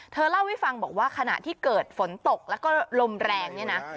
เล่าให้ฟังบอกว่าขณะที่เกิดฝนตกแล้วก็ลมแรงเนี่ยนะ